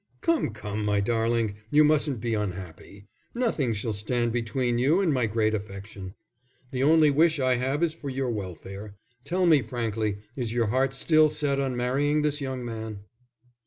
"Come, come, my darling, you mustn't be unhappy. Nothing shall stand between you and my great affection. The only wish I have is for your welfare. Tell me frankly, is your heart still set on marrying this young man?"